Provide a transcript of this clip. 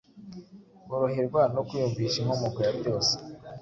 boroherwa no kwiyumvisha inkomoko ya byose